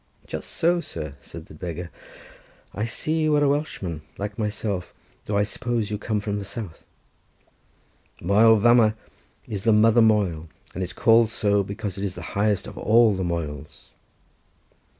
"Just so, sir," said the beggar; "I see you are a Welshman, like myself, though I suppose you come from the South—Moel Vamagh is the Mother Moel, and is called so because it is the highest of all the Moels."